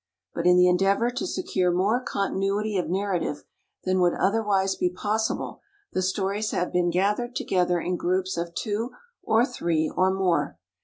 But in the endeavor to secure more continuity of narrative than would otherwise be possible, the stories have been gathered together in groups of two or three or more.